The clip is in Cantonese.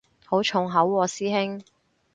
好重口喎師兄